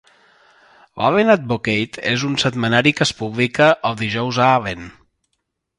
L'"Allen Advocate" és un setmanari que es publica el dijous a Allen.